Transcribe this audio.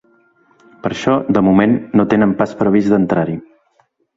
Per això, de moment, no tenen pas previst d’entrar-hi.